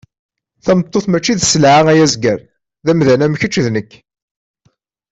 Tameṭṭut mači d selɛa ay azger, d amdan am keč d nek.